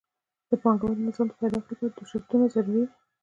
د پانګوالي نظام د پیدایښت لپاره دوه شرطونه ضروري دي